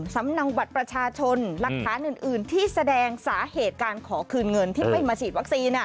เนาบัตรประชาชนหลักฐานอื่นที่แสดงสาเหตุการขอคืนเงินที่ไม่มาฉีดวัคซีน